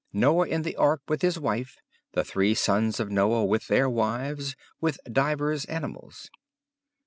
Noah in the Ark, with his wife; the three sons of Noah with their wives; with divers animals.